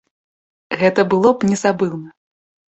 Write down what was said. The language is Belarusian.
Гэта было б незабыўна!